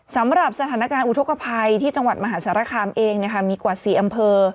สำหรับสถานการณ์อุทธกภัยที่จังหวัดมหาสารคามเองมีกว่า๔อำเภอ